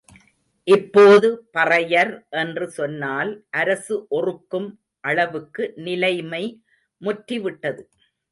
இப்போது பறையர் என்று சொன்னால் அரசு ஒறுக்கும் அளவுக்கு நிலைமை முற்றி விட்டது.